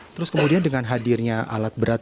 terus kemudian dengan hadirnya alat berat